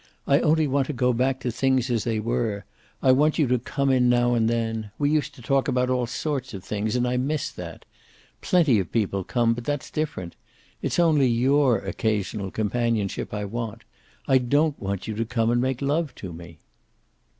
"I only want to go back to things as they were. I want you to come in now and then. We used to talk about all sorts of things, and I miss that. Plenty of people come, but that's different. It's only your occasional companionship I want. I don't want you to come and make love to me."